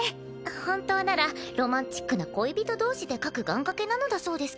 本当ならロマンチックな恋人同士で書く願かけなのだそうですけど。